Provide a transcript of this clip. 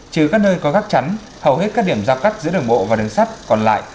chứ các nơi có gắt chắn hầu hết các điểm giao cắt giữa đường bộ và đường sắt còn lại